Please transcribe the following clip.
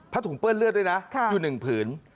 พะถุงเปิ้ลเลือดด้วยนะอยู่หนึ่งผืน